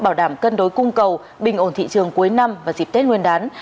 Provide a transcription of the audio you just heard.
bảo đảm cân đối cung cầu bình ổn thị trường cuối năm và dịp tết nguyên đán